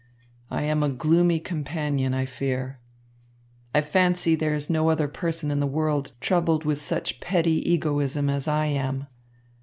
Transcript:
I am a gloomy companion, I fear. I fancy there is no other person in the world troubled with such petty egoism as I am.